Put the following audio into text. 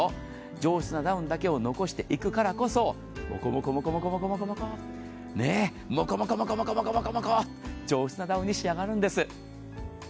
上質なダウンだけを残していくからこそ、もこもこもこもこね、もこもこもこもこ上質なダウンに仕上がるんです。